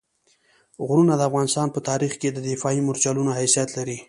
غرونه د افغانستان په تاریخ کې د دفاعي مورچلونو حیثیت لري.